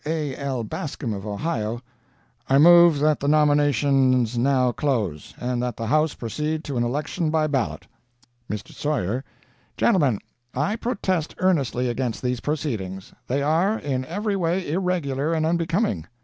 A. L. BASCOM of Ohio: 'I move that the nominations now close, and that the House proceed to an election by ballot.' "MR. SAWYER: 'Gentlemen I protest earnestly against these proceedings. They are, in every way, irregular and unbecoming.